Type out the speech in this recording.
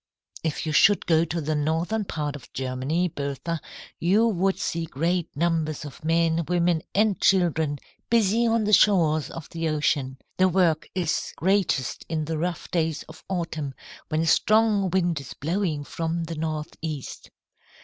"If you should go to the northern part of Germany, Bertha, you would see great numbers of men, women, and children, busy on the shores of the ocean. The work is greatest in the rough days of autumn, when a strong wind is blowing from the northeast.